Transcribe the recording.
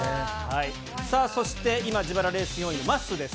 さあ、そして、今自腹レース４位のまっすーです。